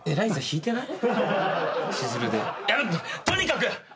とにかく！